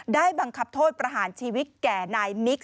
ได้บังคับโทษประหารชีวิตแก่นายนิก